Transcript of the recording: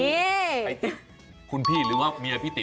ไปติดคุณพี่หรือว่าเมียพี่ติ